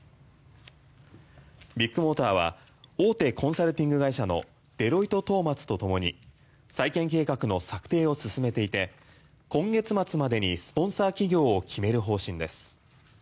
ビッグモーターは大手コンサルティング会社のデロイトトーマツとともに再建計画の策定を進めていて今月末までにスポンサー企業を決める方針です。